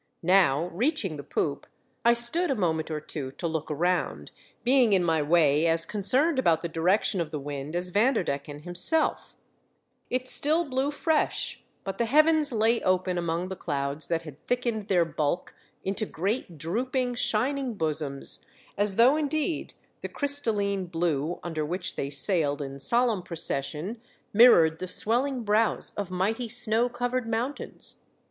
Now, reaching the poop, I stood a moment or two to look around, being in my way as concerned about the direction of the wind as Vanderdecken himself It still blew fresh, but the heavens lay open among the clouds that had thickened their bulk into great drooping shining bosoms, as though indeed the crystalline blue under which they sailed in solemn procession mirrored the swelling brows of mighty snow covered mountains.